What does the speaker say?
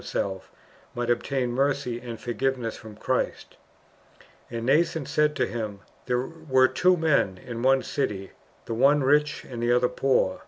[Boo k it self, might obtain mercy and forgiveness from Christ :" And [Nathan] said to him, There were two men in one city ; the one rich, and the other poor.